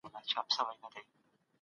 اسلام اعتدال ته ارزښت ورکوي.